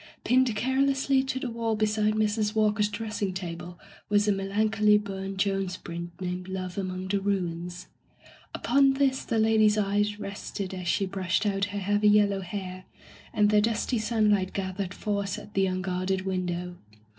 Pinned carelessly to the wall beside Mrs. Walker's dressing table was a melancholy Burne Jones print named "Love among the Ruins.'* Upon this the lady's eyes rested as she brushed out her heavy yellow hair, and the dusty sunlight gathered force at the un guarded window.